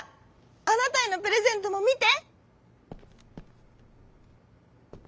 あなたへのプレゼントもみて！」。